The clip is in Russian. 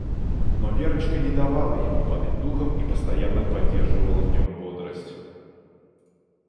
Но Верочка не давала ему падать духом и постоянно поддерживала в нём бодрость...